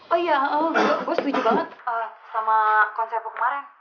oh iya gue seduci banget sama konsepnya kemarin